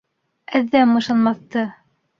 Әҙәм ышанмаҫты!